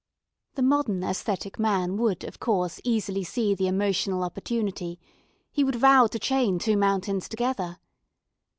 The modern aesthetic man would, of course, easily see the emotional opportunity; he would vow to chain two mountains together.